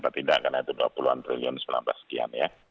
karena itu dua puluh an triliun sembilan belas sekian ya